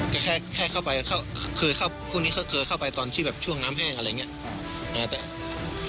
แค่เข้าไปโทนี้เคยเข้าไปตอนช่องน้ำแห้งอะอะไรอย่างเนี่ย